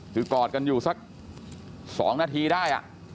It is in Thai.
คือกอดกันอยู่สัก๒นาทีได้